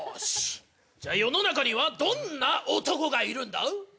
じゃ世の中にはどんな男がいるんだ？